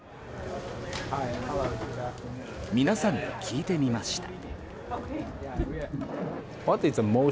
皆さんに聞いてみました。